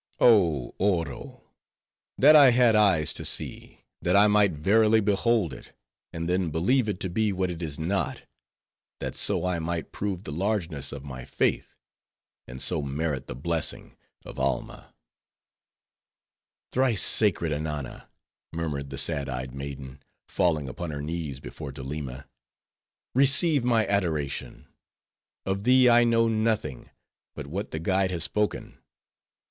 Oh, Oro, that I had eyes to see, that I might verily behold it, and then believe it to be what it is not; that so I might prove the largeness of my faith; and so merit the blessing of Alma." "Thrice sacred Ananna," murmured the sad eyed maiden, falling upon her knees before Doleema, "receive my adoration. Of thee, I know nothing, but what the guide has spoken.